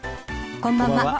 こんばんは。